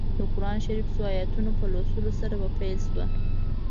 د قران شریف څو ایتونو په لوستلو سره پیل شوه.